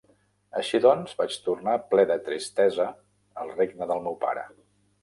Així doncs, vaig tornar ple de tristesa al regne del meu pare.